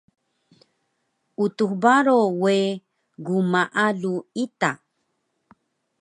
Utux Baro we gmaalu ita